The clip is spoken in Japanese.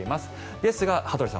ですが、羽鳥さん